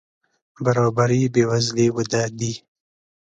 برابري بې وزلي وده دي.